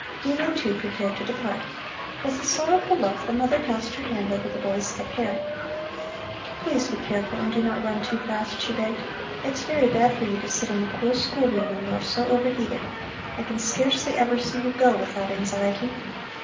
Dino, too, prepared to depart. With a sorrowful look, the mother passed her hand over the boy's thick hair. "Please be careful, and do not run too fast," she begged. "It's very bad for you to sit in the cool school room when you are so overheated. I can scarcely ever see you go, without anxiety."